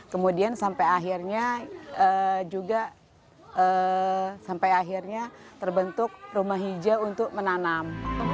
kemudian sampai akhirnya terbentuk rumah hijau untuk menanam